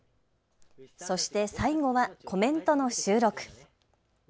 そして最後はコメントの収録。